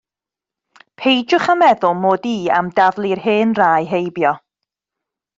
Peidiwch â meddwl mod i am daflu'r hen rai heibio.